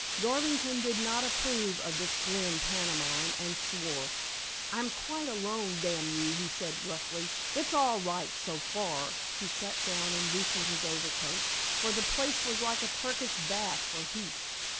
Garvington did not approve of this grim pantomime, and swore. "I'm quite alone, damn you," he said roughly. "It's all right, so far!" He sat down and loosened his overcoat, for the place was like a Turkish bath for heat.